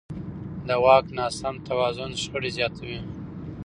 د واک ناسم توازن شخړې زیاتوي